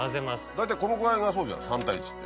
大体このぐらいがそうじゃん３対１って。